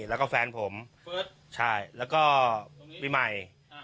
แล้วก็แฟนผมเฟิร์สใช่แล้วก็ตรงนี้วิมัยอ่า